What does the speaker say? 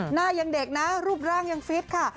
หน้ายังเด็กนะรูปร่างยังฟิตค่ะ